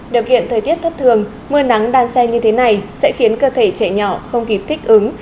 điều kiện thời tiết thất thường mưa nắng đan xen như thế này sẽ khiến cơ thể trẻ nhỏ không kịp thích ứng